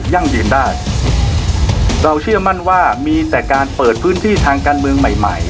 ั่งยืนได้เราเชื่อมั่นว่ามีแต่การเปิดพื้นที่ทางการเมืองใหม่ใหม่